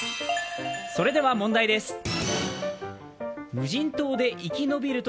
それでは問題です。